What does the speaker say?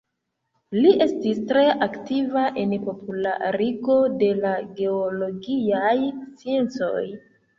Li estis tre aktiva en popularigo de la geologiaj sciencoj.